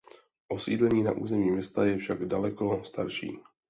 Osídlení na území města je však daleko starší.